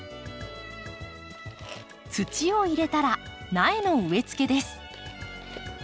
土を入れたら苗の植え付けです。